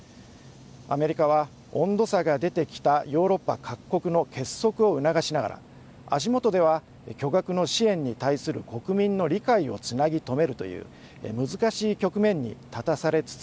アメリカは温度差が出てきたヨーロッパ各国の結束を促しながら足元では巨額の支援に対する国民の理解をつなぎ止めるという難しい局面に立たされつつあります。